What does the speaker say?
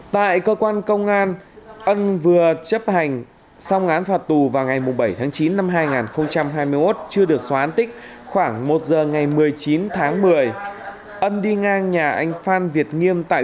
tại cơ quan công an ân vừa chấp hành xong ngán phạt tù